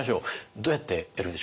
どうやってやるんでしょうか？